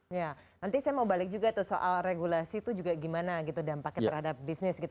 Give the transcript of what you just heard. nanti saya mau balik juga soal regulasi itu juga gimana dampaknya terhadap bisnis